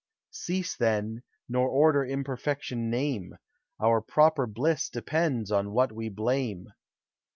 Cease then, nor order imperfection name: Our proper bliss depends on what we blame.